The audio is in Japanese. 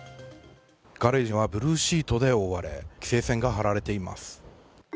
ガレージはブルーシートで覆われ、規制線が張られています。